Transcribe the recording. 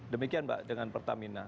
demikian pak dengan pertamina